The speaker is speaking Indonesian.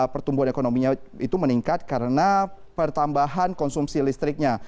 pertumbuhan ekonominya itu meningkat karena pertambahan konsumsi listriknya